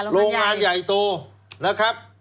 โรงงานใหญ่โตนะครับ